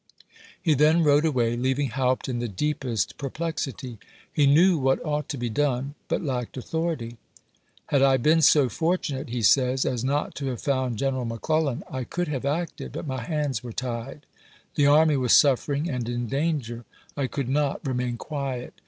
He then rode away, leaving Haupt in the deepest perplexity. He knew what ought to be done, but lacked authority. " Had I been so fortunate," he says, " as not to have found General McClellan, I could have acted, but my hands were tied. The army was suftering and in danger; I could not remain quiet.